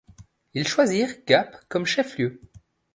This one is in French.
Ils choisirent Gap comme chef–lieu.